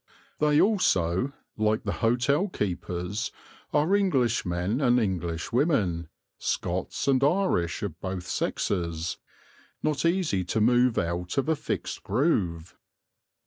They also, like the hotel keepers, are English men and English women, Scots and Irish of both sexes, not easy to move out of a fixed groove.